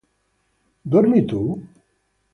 Dormi tu?